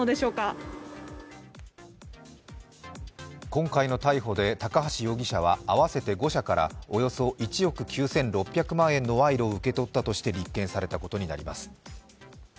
今回の逮捕で高橋容疑者は合わせて５社からおよそ１億９６００万円の賄賂を受け取ったとして立件されたことになります。